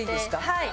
はい。